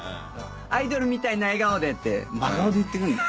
「アイドルみたいな笑顔で！」って真顔で言ってくるんだよ。